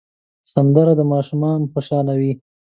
سندره ماشومان خوشحالوي